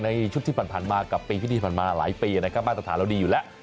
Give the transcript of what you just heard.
ชุดที่ผ่านมากับปีที่ดีผ่านมาหลายปีนะครับมาตรฐานเราดีอยู่แล้ว